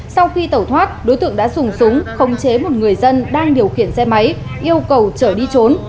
sau khi tẩu thoát đối tượng đã dùng súng khống chế một người dân đang điều khiển xe máy yêu cầu chở đi trốn